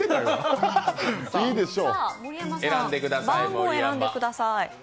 盛山さん、番号を選んでください。